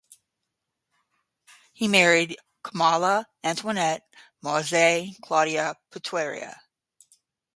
He married Kamala Antoinette Maisie "Claudia" Perera.